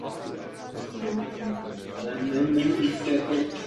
Ta je nezbytná pro konečný úspěch tohoto projektu.